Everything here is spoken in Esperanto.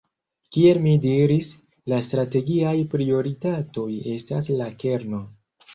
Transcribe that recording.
Kiel mi diris, la strategiaj prioritatoj estas la kerno.